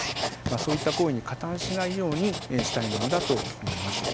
そういった行為に加担しないようにしたいものだと思います。